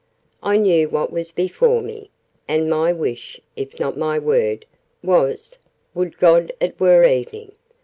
I knew what was before me, and my wish, if not my word, was 'Would God it were evening!'